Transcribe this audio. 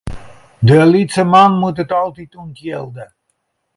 De lytse man moat it altyd ûntjilde.